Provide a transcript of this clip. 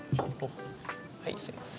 はいすいません。